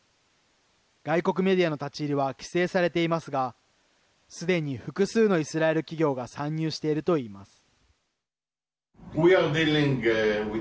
外国メディアの立ち入りは規制されていますがすでに、複数のイスラエル企業が参入しているといいます。